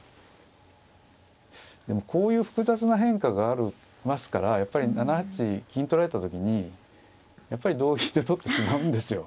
でもこういう複雑な変化がありますからやっぱり７八金取られた時にやっぱり同銀って取ってしまうんですよ。